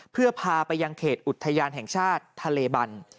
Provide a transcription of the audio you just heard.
เพื่อพาไปยังเขตอุทยานแห่งชาติทะเลบัน